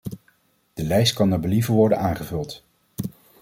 De lijst kan naar believen worden aangevuld.